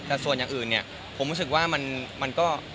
แต่ส่วนอย่างอื่นเนี่ยผมรู้สึกว่ามันก็